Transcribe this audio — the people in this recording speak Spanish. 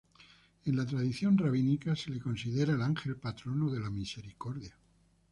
En la tradición rabínica se le considera el ángel patrono de la misericordia.